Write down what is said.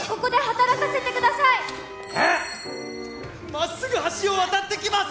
まっすぐ橋を渡ってきます！